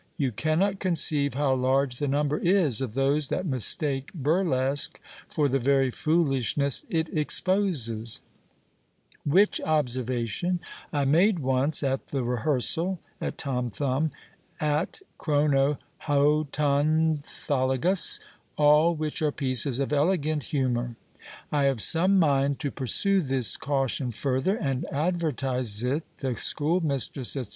You cannot conceive how large the number is of those that mistake burlesque for the very foolishness it exposes; which observation I made once at the Rehearsal, at Tom Thumb, at Chrononhotonthologos, all which, are pieces of elegant humour. I have some mind to pursue this caution further, and advertise it 'The School Mistress,' &c.